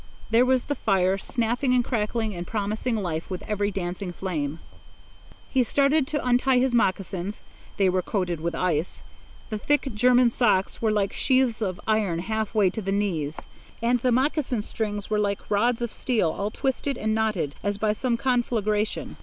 There was the fire, snapping and crackling and promising life with every dancing flame. He started to untie his moccasins. They were coated with ice; the thick German socks were like sheaths of iron half way to the knees; and the mocassin strings were like rods of steel all twisted and knotted as by some conflagration.